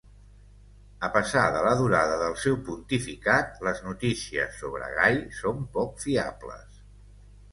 A pesar de la durada del seu pontificat, les notícies sobre Gai són poc fiables.